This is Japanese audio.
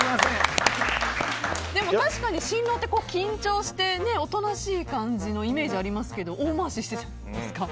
確かに、新郎って緊張しておとなしい感じのイメージがありますけど大回ししてたんですか？